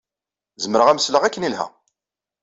Zemreɣ ad am-sleɣ akken yelha.